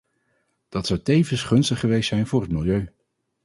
Dat zou tevens gunstig geweest zijn voor het milieu.